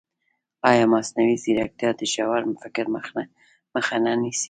ایا مصنوعي ځیرکتیا د ژور فکر مخه نه نیسي؟